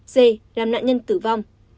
d làm nạn nhân tử vong